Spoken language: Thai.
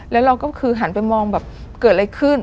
แล้วเราก็คือหันไปมองแบบเกิดอะไรขึ้น